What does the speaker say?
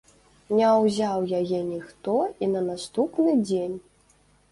Не ўзяў яе ніхто і на наступны дзень.